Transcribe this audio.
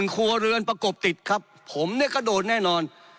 ครัวเรือนประกบติดครับผมเนี่ยก็โดนแน่นอน